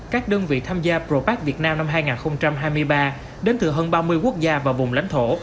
các đơn vị tham gia pro park việt nam năm hai nghìn hai mươi ba đến từ hơn ba mươi quốc gia và vùng lãnh thổ